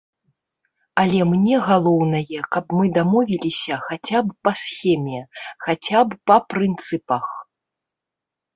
Але мне галоўнае, каб мы дамовіліся хаця б па схеме, хаця б па прынцыпах.